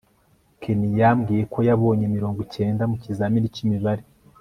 ken yambwiye ko yabonye mirongo icyenda mu kizamini cy'imibare